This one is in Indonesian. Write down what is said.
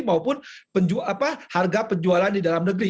maupun harga penjualan di dalam negeri